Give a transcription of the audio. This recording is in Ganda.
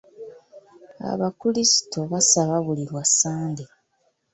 Abakrisito basaba buli lwa Sande.